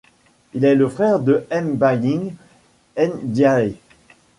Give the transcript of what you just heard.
Il est le frère de Mbagnick Ndiaye.